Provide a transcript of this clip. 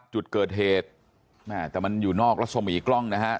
จุดเกิดเหตุแม่แต่มันอยู่นอกรัศมีกล้องนะฮะ